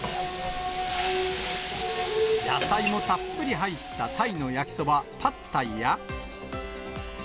野菜もたっぷり入ったタイの焼きそば、パッタイや。